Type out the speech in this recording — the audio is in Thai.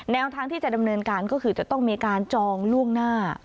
แนวทางที่จะดำเนินการก็คือจะต้องมีการจองล่วงหน้า